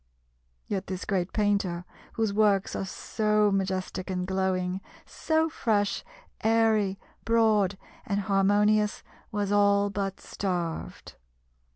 Yet this great painter, whose works are so majestic and glowing, so fresh, airy, broad, and harmonious, was all but starved.